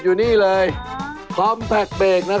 โอ้โฮอยู่นี่เองเองก้อพะบู้นะครับพระลักษมณ์